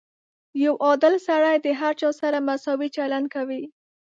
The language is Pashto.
• یو عادل سړی د هر چا سره مساوي چلند کوي.